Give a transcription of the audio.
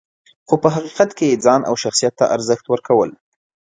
خو په حقیقت کې یې ځان او شخصیت ته ارزښت ورکول .